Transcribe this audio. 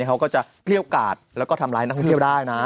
เขาก็จะเกลี้ยวกาดแล้วก็ทำร้ายนักท่องเที่ยวได้นะ